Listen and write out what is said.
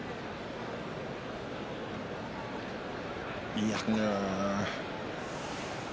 いや。